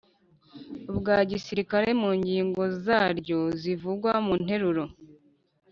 ubwa Gisirikare mu ngingo zaryo zivugwa mu nteruro